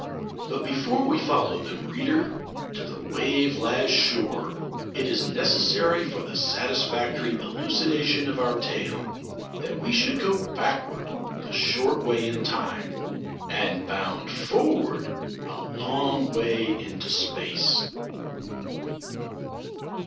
But before we follow them, reader, to the wave lashed shore, it is necessary, for the satisfactory elucidation of our tale, that we should go backward a short way in time, and bound forward a long way into space.